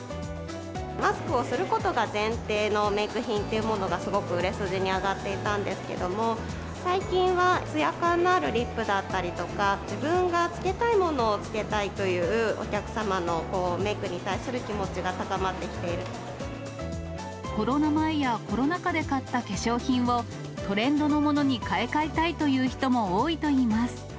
マスクをすることが前提のメーク品というものが、すごく売れ筋に上がっていたんですけども、最近は、つや感のあるリップだったりとか、自分がつけたいものをつけたいという、お客様のメークに対する気コロナ前や、コロナ禍で買った化粧品をトレンドのものに買い替えたいという人も多いといいます。